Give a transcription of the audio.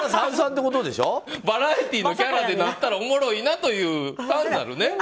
バラエティーのキャラでなったらおもろいなという、単なるね。